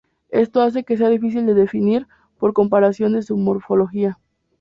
Esto hace que sea difícil de definir, por comparación de su morfología.